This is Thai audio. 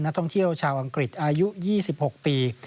นักท่องเที่ยวชาวอังกฤษอายุ๒๖ปี